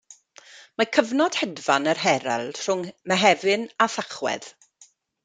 Mae cyfnod hedfan yr herald rhwng Mehefin a Thachwedd.